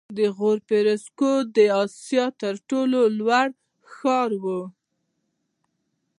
د غور فیروزکوه د اسیا تر ټولو لوړ ښار و